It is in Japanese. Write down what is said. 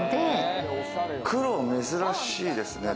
黒、珍しいですね。